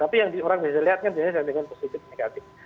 tapi yang orang bisa lihat kan jenisnya dengan positif dan negatif